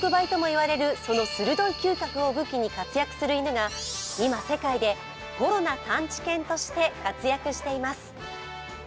人間の１億倍ともいわれるその鋭い嗅覚を武器に活躍する犬が今、世界でコロナ探知犬として活躍しています。